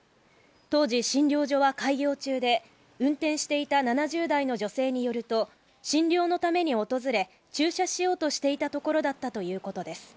当時、診療所は開業中で、運転していた７０代の女性によると、診療のために訪れ、駐車しようとしていたところだったということです。